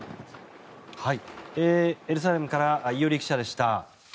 エルサレムから伊従記者でした。